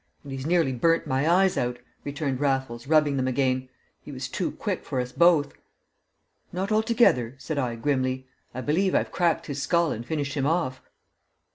"And he's nearly burnt my eyes out," returned Raffles, rubbing them again. "He was too quick for us both." "Not altogether," said I, grimly. "I believe I've cracked his skull and finished him off!"